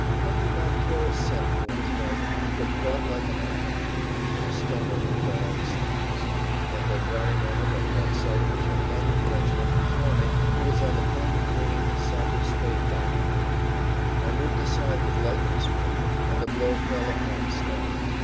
One did not care a cent for one's life, but fought like an animal. I stumbled and fell on the stones. At that very moment I caught sight of a gigantic Frenchman before me who was on the point of bringing his sapper's spade down on me. I moved aside with lightning speed, and the blow fell upon the stone.